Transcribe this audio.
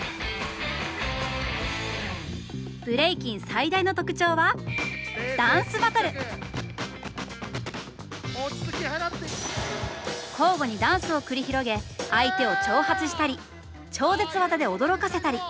ブレイキン最大の特徴は交互にダンスを繰り広げ相手を挑発したり超絶技で驚かせたり！